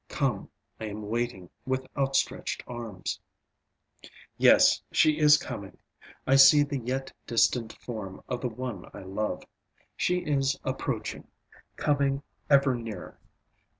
Come, I am waiting with outstretched arms. Yes, she is coming. I see the yet distant form of the one I love. She is approaching, coming ever nearer.